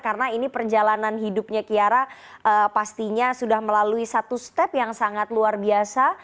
karena ini perjalanan hidupnya kiara pastinya sudah melalui satu step yang sangat luar biasa